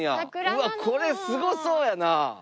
うわっこれすごそうやな！